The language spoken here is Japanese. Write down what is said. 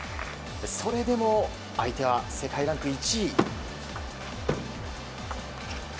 それでも相手は世界ランク１位。